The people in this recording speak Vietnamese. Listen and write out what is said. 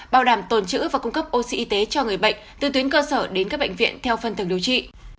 bảo đảm tồn chữ và cung cấp oxy y tế cho người bệnh từ tuyến cơ sở đến các bệnh viện theo phân thường điều trị